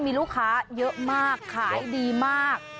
มีลูกค้าเยอะมากขายดีมาก